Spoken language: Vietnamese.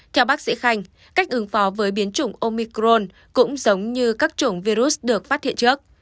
theo bác sĩ khanh cách ứng phó với biến chủng omicron cũng giống như các chủng virus được phát hiện trước